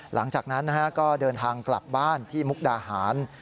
หลังจากนั้นก็เดินทางกลับบ้านที่มุกดาหาร